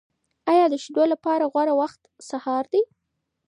آیا د شیدو لپاره غوره وخت سهار دی؟